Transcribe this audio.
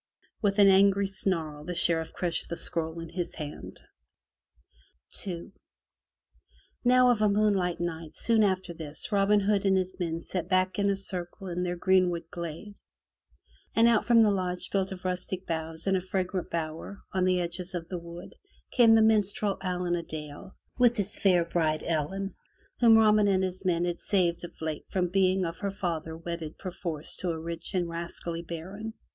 With an angry snarl the Sheriff crushed the scroll in his hand. II Now of a moonlight night soon after this Robin Hood and his men sat about in a circle in their greenwood glade, and out from a lodge built of rustic boughs in a fragrant bower on the edge of 58 FROM THE TOWER WINDOW the wood came the minstrel Allen a dale with his fair bride Ellen, whom Robin and his men had saved of late from being by her father wedded perforce to a rich and rascally baron.